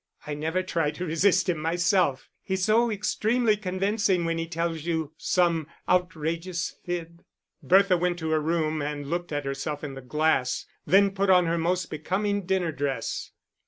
I never try to resist him myself. He's so extremely convincing when he tells you some outrageous fib." Bertha went to her room and looked at herself in the glass, then put on her most becoming dinner dress.